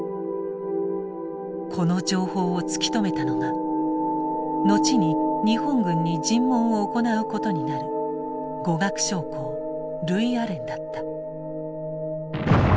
この情報を突き止めたのが後に日本軍に尋問を行うことになる語学将校ルイアレンだった。